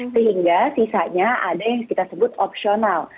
sehingga sisanya ada yang kita sebut opsional